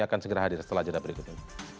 akan segera hadir setelah jadwal berikutnya